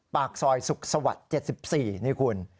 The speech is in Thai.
ปากซอยสุขสวรรค์๗๔นี่คุณ